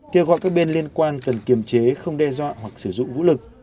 kêu gọi các bên liên quan cần kiềm chế không đe dọa hoặc sử dụng vũ lực